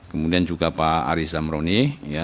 kemudian juga pak ari zamroni